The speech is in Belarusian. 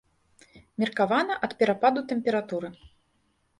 Меркавана, ад перападу тэмпературы.